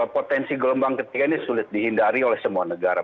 potensi gelombang ketiga ini sulit dihindari oleh semua negara